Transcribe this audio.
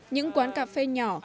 những quán cà phê nhỏ